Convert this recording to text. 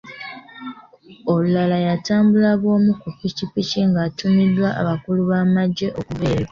Olulala yatambula bw'omu ku ppikipiki ng'atumiddwa abakulu b'amaggye okuva eyo.